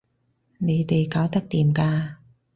你哋搞得掂㗎